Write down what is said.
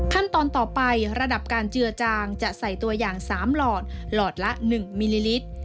ขั้นตอนต่อไประดับการเจือจางจะใส่ตัวอย่าง๓หลอดหลอดละ๑มิลลิลิตร